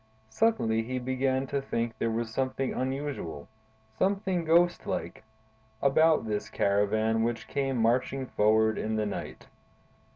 Suddenly he began to think there was something unusual, something ghost like, about this caravan which came marching forward in the night.